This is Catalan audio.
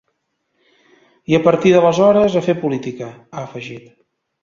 I a partir d’aleshores, a fer política , ha afegit.